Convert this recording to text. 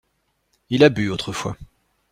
Il a bu autrefois.